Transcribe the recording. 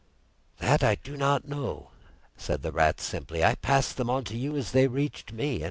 "That I do not know," said the Rat simply. "I passed them on to you as they reached me.